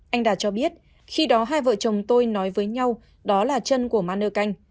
anh đạt cho biết khi đó hai vợ chồng tôi nói với nhau đó là chân của maner canh